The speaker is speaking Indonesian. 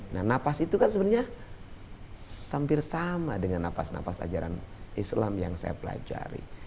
nah nafas itu kan sebenarnya hampir sama dengan nafas nafas ajaran islam yang saya pelajari